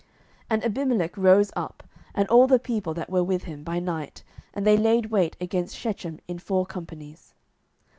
07:009:034 And Abimelech rose up, and all the people that were with him, by night, and they laid wait against Shechem in four companies.